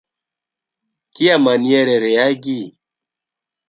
Kiamaniere reagi?